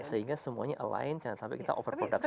sehingga semuanya align jangan sampai kita over production